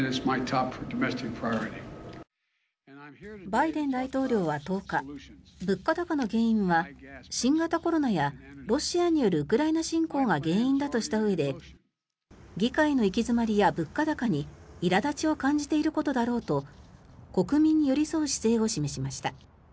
バイデン大統領は１０日物価高の原因は新型コロナやロシアによるウクライナ侵攻が原因だとしたうえで議会の行き詰まりや物価高にいら立ちを感じていることだろうと国民に寄り添う姿勢を示しました。